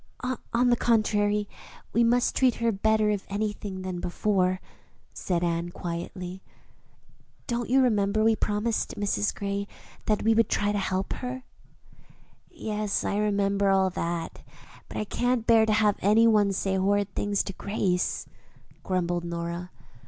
"On the contrary, we must treat her better, if anything, than before," said Anne quietly. "Don't you remember we promised Mrs. Gray that we would try to help her?" "Yes, I remember all that; but I can't bear to have any one say horrid things to Grace," grumbled Nora.